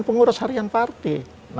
pengurus harian partai